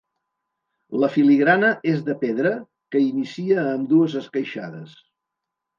La filigrana és de pedra que inicia amb dues esqueixades.